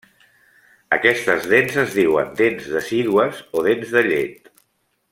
Aquestes dents es diuen dents decídues o dents de llet.